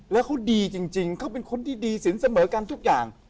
แล้วเขาดีจริงเขาเป็นคนที่ดีสินเสมอกันทุกอย่าง